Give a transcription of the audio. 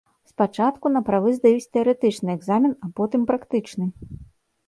Спачатку на правы здаюць тэарэтычны экзамен, а потым практычны.